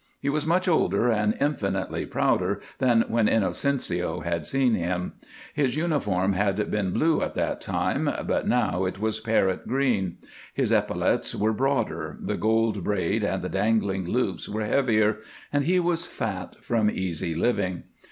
He was much older and infinitely prouder than when Inocencio had seen him. His uniform had been blue at that time, but now it was parrot green; his epaulettes were broader, the golden braid and dangling loops were heavier, and he was fat from easy living.